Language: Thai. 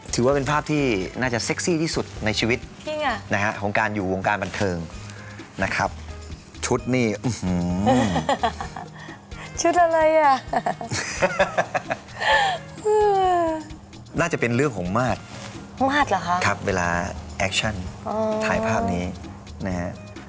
ถือว่าเป็นภาพที่น่าจะเซ็กซี่ที่สุดในชีวิตนะฮะของการอยู่วงการบันเทิงนะครับชุดนี่ชุดอะไรอ่ะน่าจะเป็นเรื่องของมาตรมาสเหรอคะครับเวลาแอคชั่นถ่ายภาพนี้นะฮะ